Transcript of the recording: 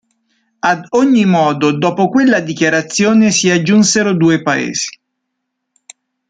Ad ogni modo, dopo quella dichiarazione si aggiunsero due paesi.